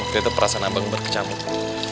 waktu itu perasaan abang berkecamuk